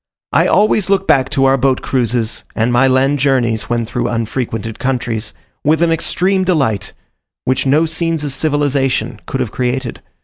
I always look back to our boat cruises, and my land journeys, when through unfrequented countries, with an extreme delight, which no scenes of civilization could have created.